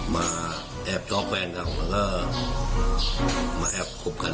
มาแอบชอบแฟนเขาแล้วก็มาแอบคบกัน